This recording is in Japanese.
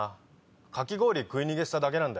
かき氷食い逃げしただけなんだ。